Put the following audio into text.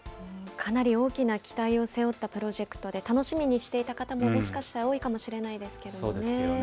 かなり大きな期待を背負ったプロジェクトで、楽しみにしていた方ももしかしたら多いかもしれないですけどね。